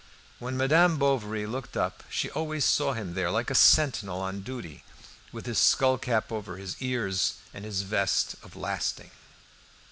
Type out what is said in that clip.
When Madame Bovary looked up, she always saw him there, like a sentinel on duty, with his skullcap over his ears and his vest of lasting.